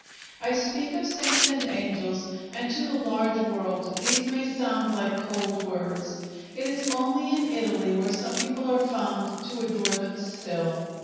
I speak of saints and angels; and to the large world these may sound like cold words. It is only in Italy where some people are found to adore them still.